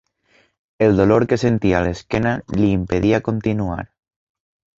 El dolor que sentia a l'esquena li impedia continuar.